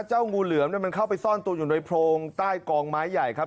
งูเหลือมมันเข้าไปซ่อนตัวอยู่ในโพรงใต้กองไม้ใหญ่ครับ